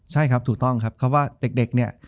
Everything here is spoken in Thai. ใช่ครับถูกต้องครับคำว่าเด็กเนี่ย